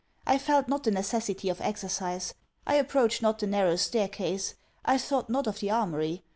I felt not the necessity of exercise. I approached not the narrow stair case. I thought not of the armoury.